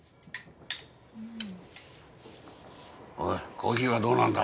おいコーヒーはどうなんだ？